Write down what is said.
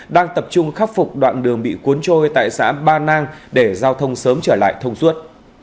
đang tập trung khắc phục đoạn đường bị cuốn trôi tại xã ba nang để giao thông sớm trở lại thông suốt